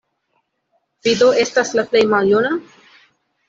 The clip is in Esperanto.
Vi do estas la plej maljuna?